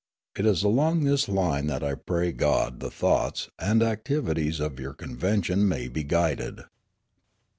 It is along this line that I pray God the thoughts and activities of your convention may be guided."